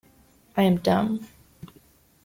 I am dumb.